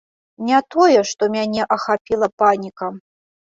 Не тое, што мяне ахапіла паніка.